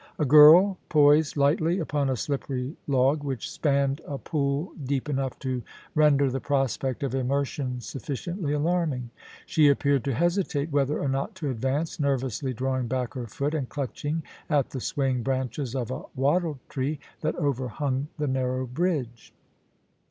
A girl poised lightly upon a slippery log, which spanned a pool deep enough to render the prospect of immersion sufficiently alarming. She appeared to hesitate whether or not to advance, nervously drawing back her foot and clutch ing at the swaying branches of a wattle tree that overhung the narrow bridge.